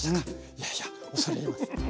いやいや恐れ入ります。